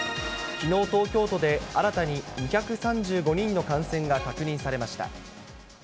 きのう、東京都で新たに２３５人の感染が確認されました。